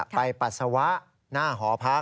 ไปปัสเวะหน้าภทภรรภ์